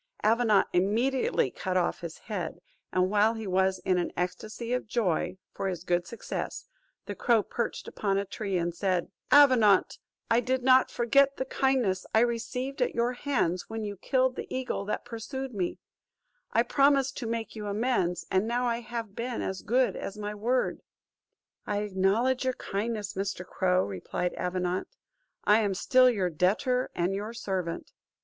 Avenant immediately cut off his head; and while he was in an ecstasy of joy, for his good success, the crow perched upon a tree, and said, "Avenant, I did not forget the kindnesses I received at your hands, when you killed the eagle that pursued me; I promised to make you amends, and now I have been as good as my word." "I acknowledge your kindness, Mr. Crow," replied Avenant; "I am still your debtor, and your servant."